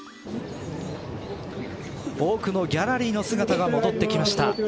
多くのギャラリーの姿が戻ってきました。